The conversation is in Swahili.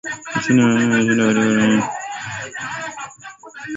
uchina kushindwa kutekeleza uamuzi uliochukuliwa na mawaziri wa fedha wa mataifa saba